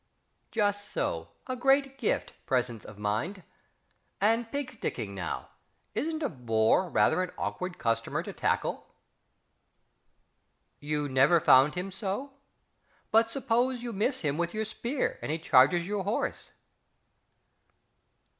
Just so. A great gift, presence of mind. And pig sticking, now isn't a boar rather an awkward customer to tackle?... "You never found him so"? But suppose you miss him with your spear, and he charges your horse?...